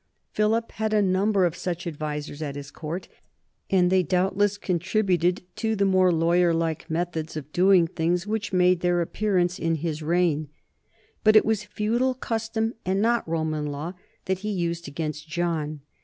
Philip had a number of such advisers at his court, and they doubt less contributed to the more lawyerlike methods of doing things which make their appearance in his reign ; but it was feudal custom, and not Roman law, that he used against John.